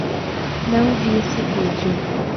Não vi esse vídeo